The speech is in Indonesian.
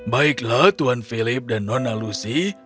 baiklah tuan philip dan nona lucy